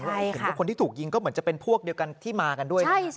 เห็นว่าคนที่ถูกยิงก็เหมือนจะเป็นพวกเดียวกันที่มากันด้วยนะ